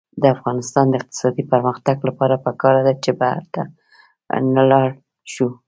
د افغانستان د اقتصادي پرمختګ لپاره پکار ده چې بهر ته نلاړ شو.